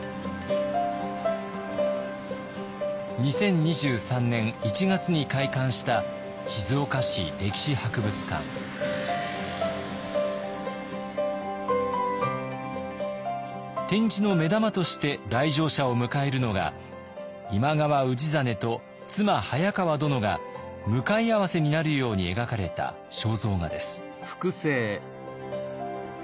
２０２３年１月に開館した展示の目玉として来場者を迎えるのが今川氏真と妻早川殿が向かい合わせになるように描かれた肖像画です。